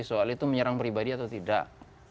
soal itu menyerang pribadi atau tidak